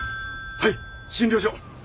はい診療所。